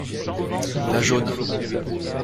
La jaune.